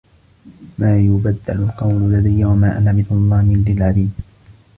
ما يُبَدَّلُ القَولُ لَدَيَّ وَما أَنا بِظَلّامٍ لِلعَبيدِ